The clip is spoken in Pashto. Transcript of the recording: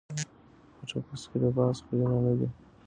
په ټپوس کي د باز خویونه نه وي.